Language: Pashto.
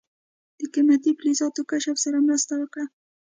د قیمتي فلزاتو کشف سره مرسته وکړه.